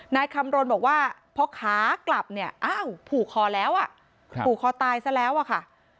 นายคำรณบอกว่าเพราะขากลับผูกคอแล้วผูกคอตายซะแล้วค่ะ